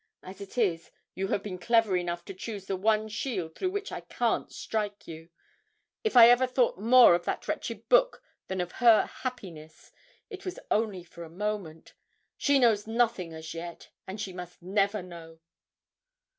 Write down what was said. As it is, you have been clever enough to choose the one shield through which I can't strike you if I ever thought more of that wretched book than of her happiness, it was only for a moment she knows nothing as yet, and she must never know!'